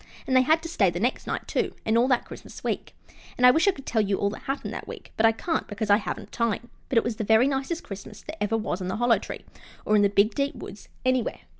And they had to stay the next night, too, and all that Christmas week. And I wish I could tell you all that happened that week, but I can't, because I haven't time. But it was the very nicest Christmas that ever was in the Hollow Tree, or in the Big Deep Woods anywhere.